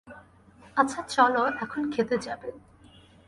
আচ্ছা, চলো এখন খেতে যাবে।